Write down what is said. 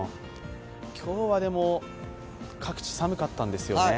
今日は各地、寒かったんですよね。